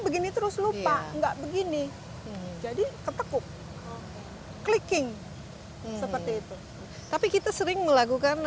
begini terus lupa enggak begini jadi ketekuk kliking seperti itu tapi kita sering melakukan